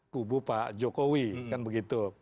kubu pak jokowi kan begitu